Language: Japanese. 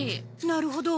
なるほど。